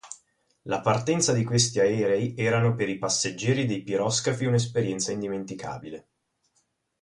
La partenza di questi aerei erano per i passeggeri dei piroscafi un'esperienza indimenticabile.